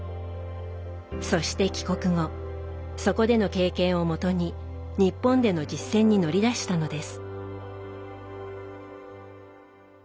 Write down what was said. そして帰国後そこでの経験をもとに日本での実践に乗り出したのです。